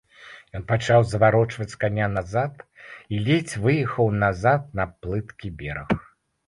Ён пачаў заварочваць каня назад і ледзь выехаў назад на плыткі бераг.